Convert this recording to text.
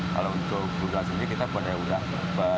kalau untuk rudal sendiri kita pandai pandai